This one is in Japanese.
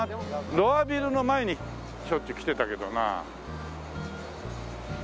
ロアビルの前にしょっちゅう来てたけどな。